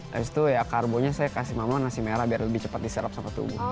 dari situ ya karbonya saya kasih mama nasi merah biar lebih cepat diserap sama tubuh